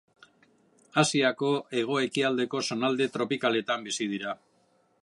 Asiako hego-ekialdeko zonalde tropikaletan bizi dira.